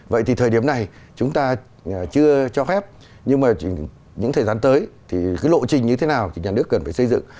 vậy thì thời điểm này chúng ta chưa cho phép nhưng mà những thời gian tới thì cái lộ trình như thế nào thì nhà nước cần phải xây dựng